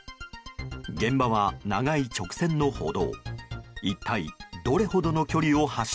現場は長い直線の歩道。